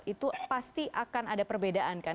itu pasti akan ada perbedaan kan